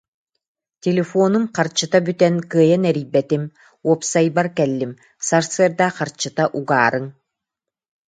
«Телефонум харчыта бүтэн кыайан эрийбэтим, уопсайбар кэллим, сарсыарда харчыта угаарыҥ»